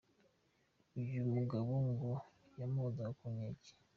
Uyu mugabo ngo yamuhozaga ku nkeke.